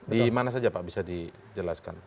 di mana saja pak bisa dijelaskan